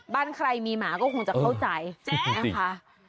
บ้านใครมีหมาก็คงจะเข้าใจนะคะ